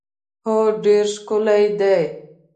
هو ډېر ښکلی دی.